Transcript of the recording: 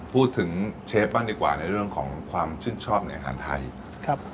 เชฟบ้างดีกว่าในเรื่องของความชื่นชอบในอาหารไทยครับ